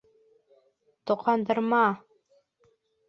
Тоҡандырма!